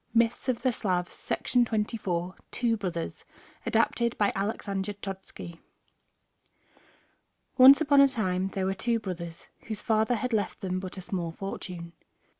MYTHS OF THE SLAVS THE TWO BROTHERS ADAPTED BY ALEXANDER CHODSKO Once upon a time there were two brothers whose father had left them but a small fortune.